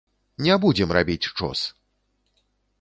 Не будзем рабіць чос!